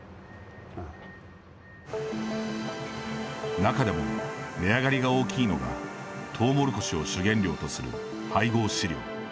中でも値上がりが大きいのがトウモロコシを主原料とする配合飼料。